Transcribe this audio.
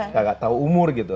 gak tau umur gitu